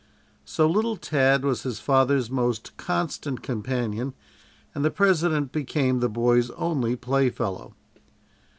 So little Tad was his father's most constant companion and the President became the boy's only playfellow.